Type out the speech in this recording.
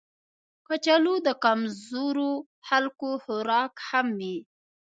کچالو د کمزورو خلکو خوراک هم وي